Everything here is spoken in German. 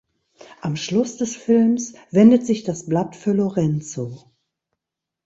Am Schluss des Films wendet sich das Blatt für Lorenzo.